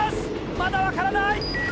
まだ分からない！